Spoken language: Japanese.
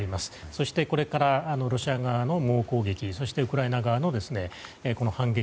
そして、これからロシア側の猛攻撃そしてウクライナ側の反撃。